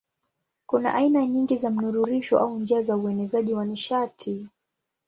Kuna aina nyingi za mnururisho au njia za uenezaji wa nishati.